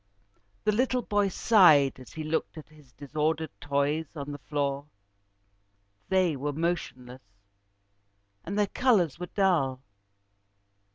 The little boy sighed as he looked at his disordered toys on the floor. They were motionless, and their colours were dull.